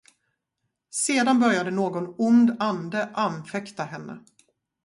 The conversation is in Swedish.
Sedan började någon ond ande anfäkta henne.